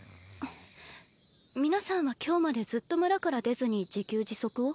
皆さんは今日までずっと村から出ずに自給自足を？